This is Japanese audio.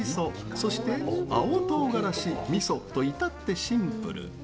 そして、青とうがらし味噌と至ってシンプル。